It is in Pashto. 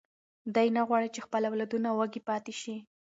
دی نه غواړي چې خپل اولادونه وږي پاتې شي.